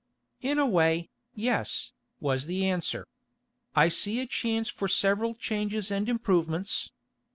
"In a way, yes," was the answer. "I see a chance for several changes and improvements.